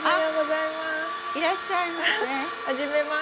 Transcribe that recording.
いらっしゃいませ。